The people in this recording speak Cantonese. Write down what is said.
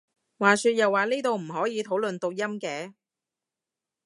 話說又話呢度唔可以討論讀音嘅？